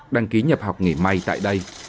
đăng ký nhập học nghề may tại đây